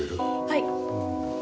はい。